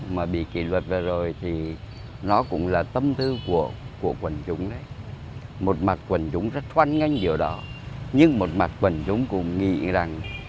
một mặt quần chúng rất thoan nhanh điều đó nhưng một mặt quần chúng cũng nghĩ rằng